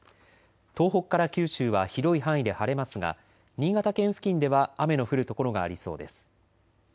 東北から九州は広い範囲で晴れますが新潟県付近では雨の降る所がありそうです。